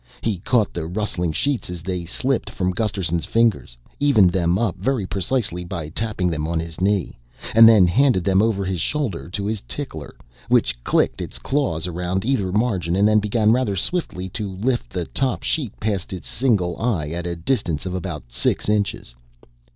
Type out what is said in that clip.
He caught the rustling sheets as they slipped from Gusterson's fingers, evened them up very precisely by tapping them on his knee ... and then handed them over his shoulder to his tickler, which clicked its claws around either margin and then began rather swiftly to lift the top sheet past its single eye at a distance of about six inches.